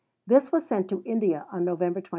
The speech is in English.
This was sent to India on November 29.